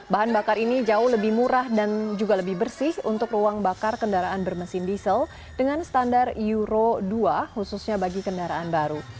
bahan bakar ini jauh lebih murah dan juga lebih bersih untuk ruang bakar kendaraan bermesin diesel dengan standar euro dua khususnya bagi kendaraan baru